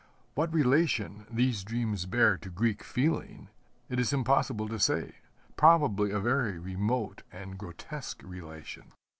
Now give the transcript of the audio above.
What relation these dreams bear to Greek feeling it is impossible to say probably a very remote and grotesque relation.